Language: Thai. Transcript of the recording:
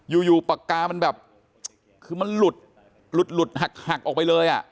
อยู่อยู่ปากกามันแบบคือมันหลุดหลุดหลุดหักหักออกไปเลยอ่ะ